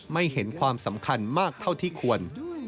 ไม่เห็นความสำคัญมากเท่าที่ควร